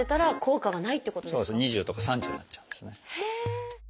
そうですね「２０」とか「３０」になっちゃうんですね。